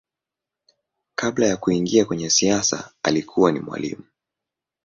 Kabla ya kuingia kwenye siasa alikuwa ni mwalimu.